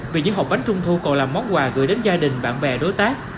vì những hộp bánh trung thu còn là món quà gửi đến gia đình bạn bè đối tác